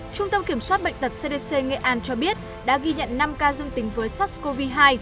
trung tâm kiểm soát bệnh tật cdc nghệ an cho biết đã ghi nhận năm ca dương tính với sars cov hai